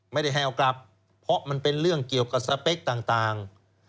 ไม่ได้ให้เอากลับเพราะมันเป็นเรื่องเกี่ยวกับสเปคต่าง